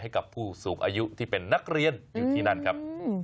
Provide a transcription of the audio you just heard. ให้กับผู้สูงอายุที่เป็นนักเรียนอยู่ที่นั่นครับ